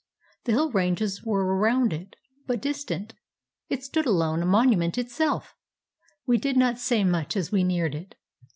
The hill ranges were around it, but distant. It stood alone, a monument itself! We did not say much as we neared it.